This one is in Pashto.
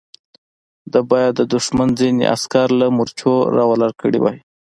ده بايد د دښمن ځينې عسکر له مورچو را ولاړ کړي وای.